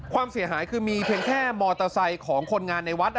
ความเสียหายคือมีเพียงแค่มอเตอร์ไซค์ของคนงานในวัด